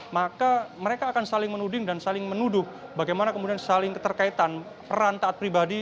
bagaimana saling menuding dan saling menuduk bagaimana kemudian saling keterkaitan peran taat pribadi